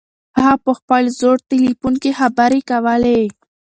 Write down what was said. هغه په خپل زوړ تلیفون کې خبرې کولې.